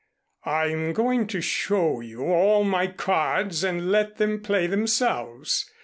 "I'm going to show you all my cards and let them play themselves.